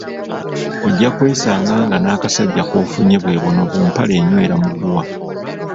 Ojja kwesanga nga n'akasajja kofunye bwe buno bu "mpale enywera muguwa".